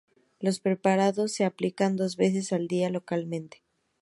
Los preparados se aplican dos veces al día localmente.